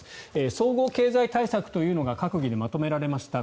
総合経済対策というのが閣議でまとめられました。